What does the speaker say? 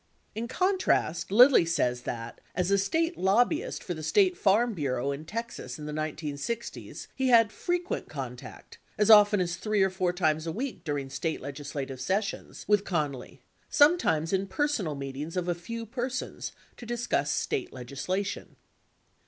59 In contrast, Lilly says that, as a State lobbyist for the State Farm Bureau in Texas in the 1960's, he had frequent contact — as often as three or four times a week during State legislative sessions— with Connally, sometimes in personal meetings of a few persons to discuss State legislation.